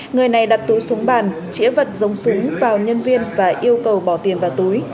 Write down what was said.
người này đặt túi súng bàn chỉa vật giống súng vào nhân viên và yêu cầu bỏ tiền vào túi